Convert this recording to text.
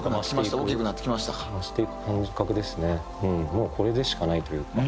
もうこれでしかないというか。